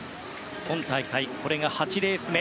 今大会これが８レース目。